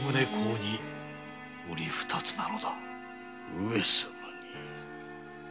上様に。